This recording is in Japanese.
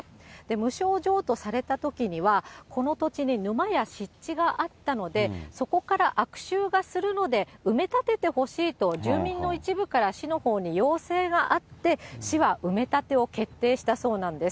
無償譲渡されたときには、この土地に沼や湿地があったので、そこから悪臭がするので、埋め立ててほしいと住民の一部から市のほうに要請があって、市は埋め立てを決定したそうなんです。